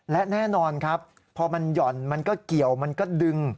และแน่นอนครับพอมันหย่อนมันก็เกี่ยวมันก็ดึง